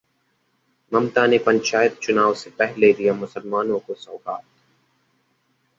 ममता ने पंचायत चुनाव से पहले दिया मुसलमानों को सौगात